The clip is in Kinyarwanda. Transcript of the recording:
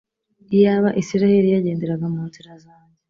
Iyaba Israheli yagenderaga mu nzira zanjye